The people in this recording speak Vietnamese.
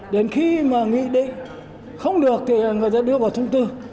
đến khi mà nghị định không được thì người ta đưa vào thông tư